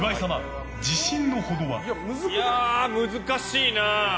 いや、難しいな。